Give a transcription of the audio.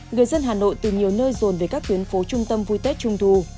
người dân hà nội từ nhiều nơi rồn về các tuyến phố trung tâm vui tết trung thu